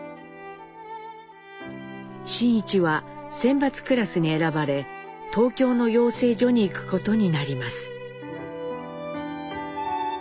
真一は選抜クラスに選ばれ東京の養成所に行くことになります。